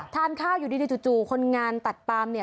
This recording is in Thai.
ทานข้าวอยู่ดีจู่คนงานตัดปามเนี่ย